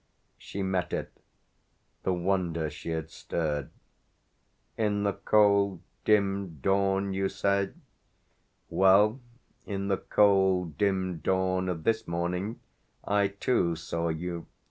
She met it, the wonder she had stirred. "In the cold dim dawn, you say? Well, in the cold dim dawn of this morning I too saw you."